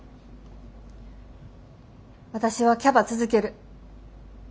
私はキャバ続ける。